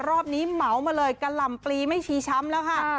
รอบนี้เหมามาเลยกะหล่ำปลีไม่ชีช้ำแล้วค่ะ